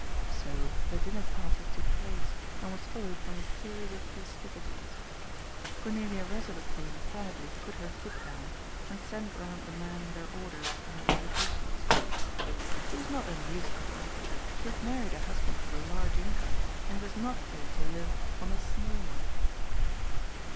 So the dinner party took place, and was followed by a series of festivities. Cornelia resolutely and quietly put her foot down, and sent round the man with her orders and her invitations. She was not unreasonable. She had mar ried a husband with a large income, and she was not going to live on a small one.